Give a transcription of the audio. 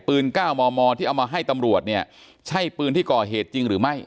๙มมที่เอามาให้ตำรวจเนี่ยใช่ปืนที่ก่อเหตุจริงหรือไม่